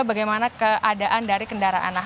bagaimana keadaan dari kendaraan